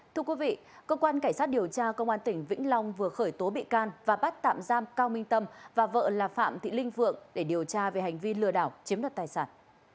thưa quý vị cơ quan cảnh sát điều tra công an tỉnh vĩnh long vừa khởi tố bị can và bắt tạm giam cao minh tâm và vợ là phạm thị linh phượng để điều tra về hành vi lừa đảo chiếm đoạt tài sản